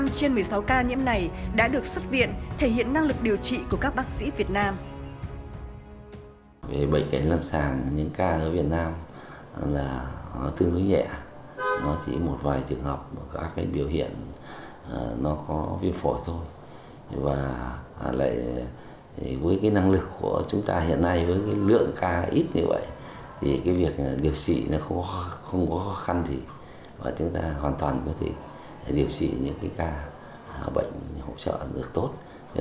một mươi năm trên một mươi sáu ca nhiễm này đã được xuất viện thể hiện năng lực điều trị của các bác sĩ việt nam